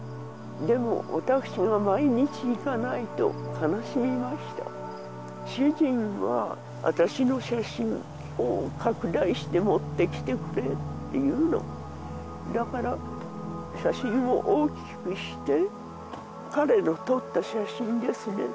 でも私が毎日行かないと悲しみました主人は私の写真を拡大して持ってきてくれって言うのだから写真を大きくして彼の撮った写真ですね